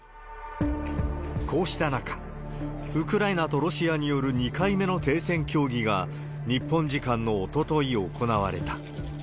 こうした中、ウクライナとロシアによる２回目の停戦協議が日本時間のおととい行われた。